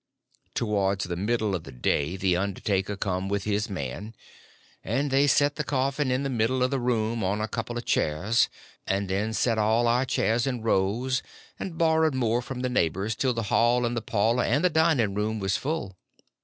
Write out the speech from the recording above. Towards the middle of the day the undertaker come with his man, and they set the coffin in the middle of the room on a couple of chairs, and then set all our chairs in rows, and borrowed more from the neighbors till the hall and the parlor and the dining room was full.